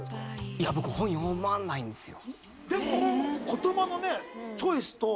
いや僕本読まないんですよ。